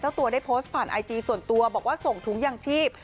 ตัวได้โพสต์ผ่านไอจีส่วนตัวบอกว่าส่งถุงยางชีพ